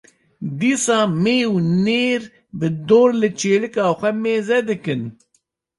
dîsa mê û nêr bi dor li çêlika xwe mêze dikin.